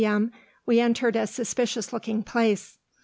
M. we entered a suspicious looking place.